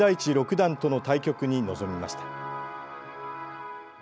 六段との対局に臨みました。